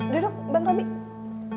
duduk bang robby